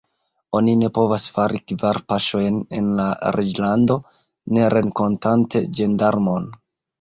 Oni ne povas fari kvar paŝojn en la reĝlando, ne renkontante ĝendarmon.